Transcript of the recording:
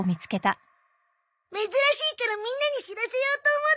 珍しいからみんなに知らせようと思って。